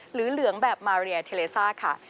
เหลืองแบบมาเรียเทเลซ่าค่ะ